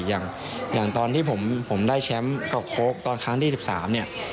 อย่างตอนที่ผมได้แชมป์กับโค้กตอนครั้งที่๑๓เนี่ย